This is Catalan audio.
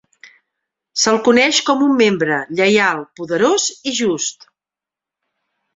Se'l coneix com un membre lleial, poderós i just.